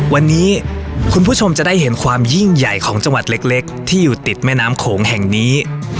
วันนี้คุณผู้ชมจะได้เห็นความยิ่งใหญ่ของจังหวัดเล็กที่อยู่ติดแม่น้ำโขงแห่งนี้